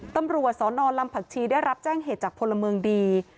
ตำรวจสนลำผักชีได้รับแจ้งเหตุจากพลเมืองดี